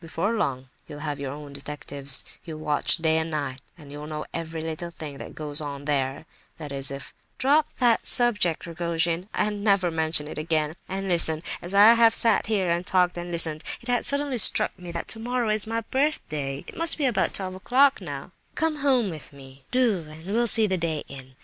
Before long, you'll have your own detectives, you'll watch day and night, and you'll know every little thing that goes on there—that is, if—" "Drop that subject, Rogojin, and never mention it again. And listen: as I have sat here, and talked, and listened, it has suddenly struck me that tomorrow is my birthday. It must be about twelve o'clock, now; come home with me—do, and we'll see the day in!